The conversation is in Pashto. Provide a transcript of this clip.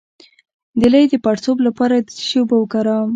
د لۍ د پړسوب لپاره د څه شي اوبه وکاروم؟